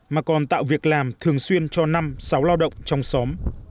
mà còn tạo việc làm thường xuyên cho năm sáu lao động trong xóm